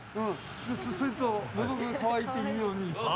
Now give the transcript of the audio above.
それとのどが渇いていいように。